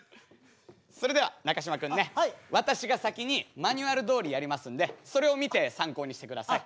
それでは中嶋君ね私が先にマニュアルどおりやりますのでそれを見て参考にしてください。